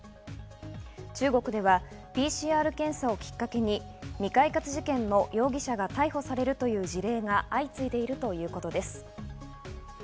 中国ではＰＣＲ検査をきっかけに未解決事件の容疑者が逮捕されるという事例が相次いでいるということです。